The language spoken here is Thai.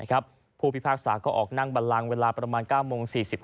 ผู้พิพากษาก็ออกนั่งบันลังเวลาประมาณ๙โมง๔๕